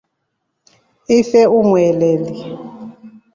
Ife umweleli.